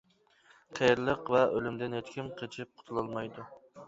قېرىلىق ۋە ئۆلۈمدىن ھېچكىم قېچىپ قۇتۇلالمايدۇ.